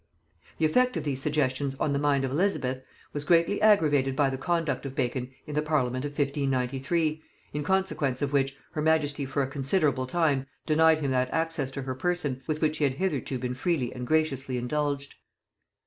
The effect of these suggestions on the mind of Elizabeth was greatly aggravated by the conduct of Bacon in the parliament of 1593, in consequence of which her majesty for a considerable time denied him that access to her person with which he had hitherto been freely and graciously indulged.